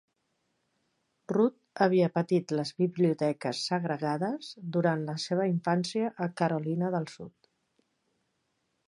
Rudd havia patit les biblioteques segregades durant la seva infància a Carolina del Sud.